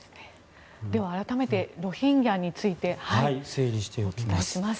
では、改めてロヒンギャについてお伝えします。